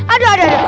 aduh aduh aduh